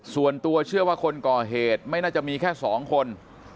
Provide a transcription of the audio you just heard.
ส่วนตัวเชื่อว่าคนก่อเหตุไม่น่าจะมีแค่๒คน